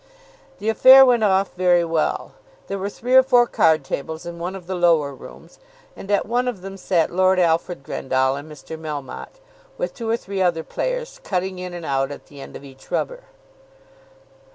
The affair went off very well. There were three or four card tables in one of the lower rooms, and at one of them sat Lord Alfred Grendall and Mr. Melmotte, with two or three other players, cutting in and out at the end of each rubber.